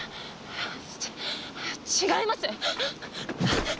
ち違います！